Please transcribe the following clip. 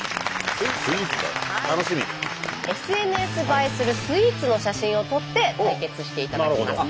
ＳＮＳ映えするスイーツの写真を撮って対決していただきます。